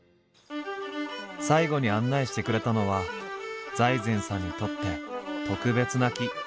最後に案内してくれたのは財前さんにとって特別な木。